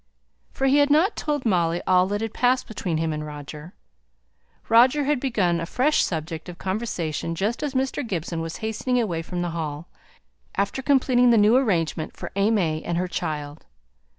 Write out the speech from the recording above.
For he had not told Molly all that had passed between him and Roger. Roger had begun a fresh subject of conversation just as Mr. Gibson was hastening away from the Hall, after completing the new arrangement for AimÄe and her child.